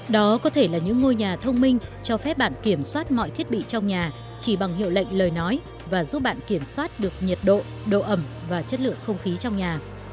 đó có thể là những ngôi nhà thông minh cho phép bạn kiểm soát mọi thiết bị trong nhà chỉ bằng hiệu lệnh lời nói và giúp bạn kiểm soát được nhiệt độ độ ẩm và chất lượng không khí trong nhà